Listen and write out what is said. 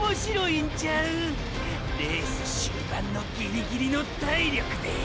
レース終盤のギリギリの体力でぇ